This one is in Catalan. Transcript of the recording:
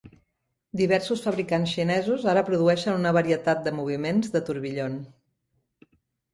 Diversos fabricants xinesos ara produeixen una varietat de moviments de tourbillon.